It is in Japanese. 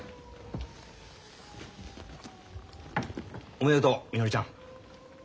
おめでとうみのりちゃん。